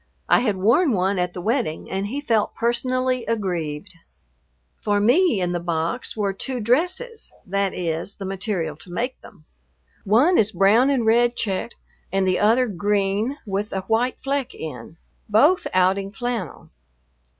I had worn one at the wedding and he felt personally aggrieved. For me in the box were two dresses, that is, the material to make them. One is a brown and red checked, and the other green with a white fleck in, both outing flannel.